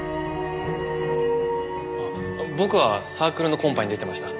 あっ僕はサークルのコンパに出てました。